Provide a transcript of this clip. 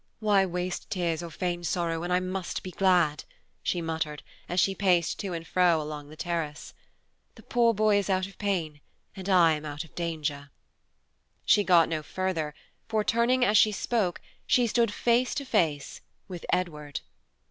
"Why waste tears or feign sorrow when I must be glad?" she muttered, as she paced to and fro along the terrace. "The poor boy is out of pain, and I am out of danger." She got no further, for, turning as she spoke, she stood face to face with Edward!